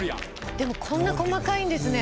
でもこんな細かいんですね！